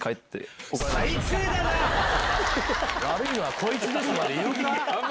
「悪いのはこいつです」まで言うか？